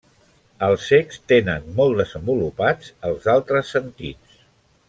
Els cecs tenen molt desenvolupats els altres sentits.